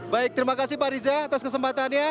baik terima kasih pak riza atas kesempatannya